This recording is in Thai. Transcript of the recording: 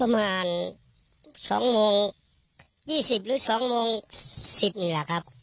ประมาณ๒โมง๒๐หรือ๒โมง๑๐นี่แหละครับ